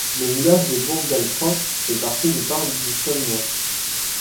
Le village de Bourgaltroff fait partie du parc du Saulnois.